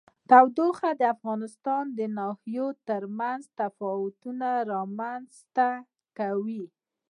تودوخه د افغانستان د ناحیو ترمنځ تفاوتونه رامنځ ته کوي.